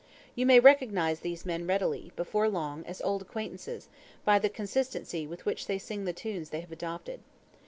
You may recognise these men readily, before long, as old acquaintances, by the consistency with which they sing the tunes they have adopted.